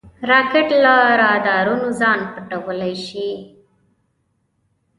راکټ له رادارونو ځان پټولی شي